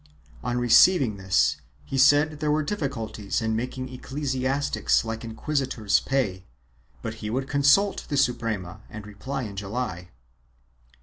On receiving this he said there were difficulties in making ecclesiastics like inquisitors pay, but he would con sult the Suprema and reply in July.